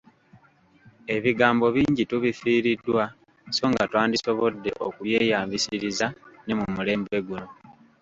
Ebigambo bingi tubifiiriddwa so nga twandisobodde okubyeyambisiriza ne mulembe guno,